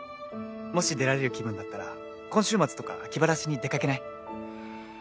もし、出られる気分だったら、今週末とか、気晴らしに出かけない？」。